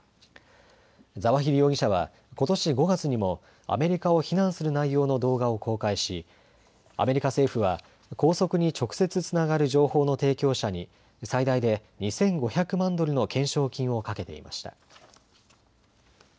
ザワヒリ容疑者はことし５月にもアメリカを非難する内容の動画を公開し、アメリカ政府は拘束に直接つながる情報の提供者に最大で２５００万ドルの懸賞金をかけていました。